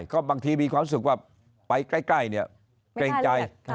ก็บางทีมีความรู้สึกว่าไปใกล้เนี่ยเกรงใจ